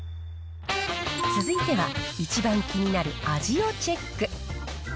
続いては一番気になる味をチェック。